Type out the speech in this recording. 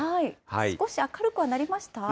少し明るくはなりました？